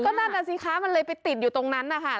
นั่นน่ะสิคะมันเลยไปติดอยู่ตรงนั้นนะคะ